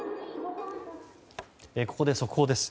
ここで速報です。